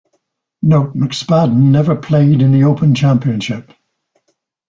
Note: McSpaden never played in The Open Championship.